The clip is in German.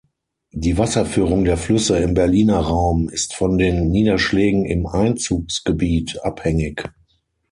Die Wasserführung der Flüsse im Berliner Raum ist von den Niederschlägen im Einzugsgebiet abhängig.